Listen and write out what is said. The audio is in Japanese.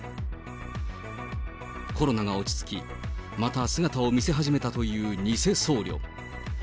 コロナが落ち着き、また姿を見せ始めたという偽僧侶。